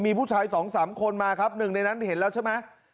มีผู้ชายสองสามคนมาครับหนึ่งในนั้นเห็นแล้วใช่ไหม